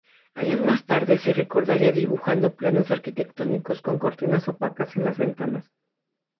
Años más tarde se recordaría dibujando planos arquitectónicos con cortinas opacas en las ventanas.